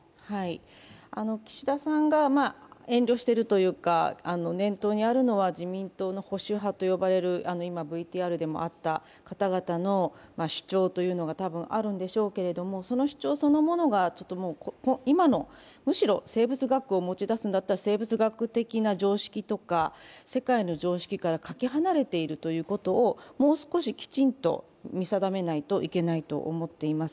岸田さんが遠慮しているというか、念頭にあるのは、自民党の保守派と呼ばれる今ＶＴＲにもあった方の主張がたぶんあるんでしょうけれども、その主張そのものが今の、むしろ生物学を持ち出すんだったら生物学的な常識とか、世界の常識からかけ離れているということをもう少しきちんと見定めないといけないと思っています。